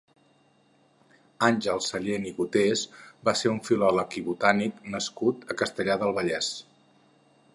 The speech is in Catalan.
Àngel Sallent i Gotés va ser un filòleg i botànic nascut a Castellar del Vallès.